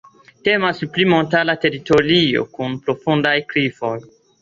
Temas pri montara teritorio kun profundaj klifoj.